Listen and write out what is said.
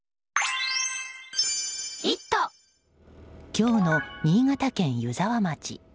今日の新潟県湯沢町。